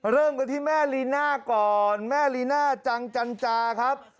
เริ่มกันที่แม่ลีน่าก่อนแม่ลีน่าจังจันจาครับ